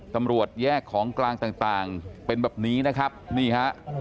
ตำรวจแยกของกลางต่างเป็นแบบนี้นะครับนี่ฮะ